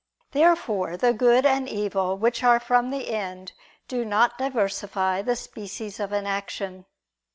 Therefore the good and evil which are from the end do not diversify the species of an action.